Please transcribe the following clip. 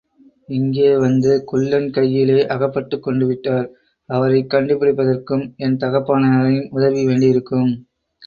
இங்கே வந்து குள்ளன் கையிலே அகப்பட்டுக்கொண்டுவிட்டார். அவரைக் கண்டுபிடிப்பதற்கும் என் தகப்பனாரின் உதவி வேண்டியிருக்கும்.